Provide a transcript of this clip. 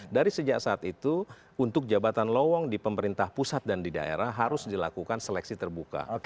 dari sejak saat itu untuk jabatan lowong di pemerintah pusat dan di daerah harus dilakukan seleksi terbuka